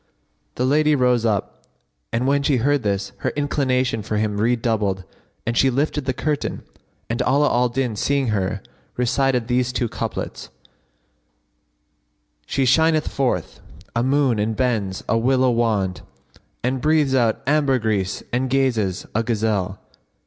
The lady rose up when she heard this, her inclination for him redoubled and she lifted the curtain; and Ala al Din, seeing her, recited these two couplets, "She shineth forth, a moon, and bends, a willow wand, * And breathes out ambergris, and gazes, a gazelle.